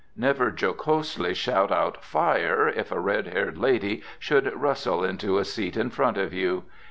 Never jocosely shout out "Fire!" if a red haired lady should rustle into a seat in front of you.